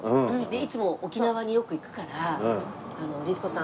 いつも沖縄によく行くから「律子さん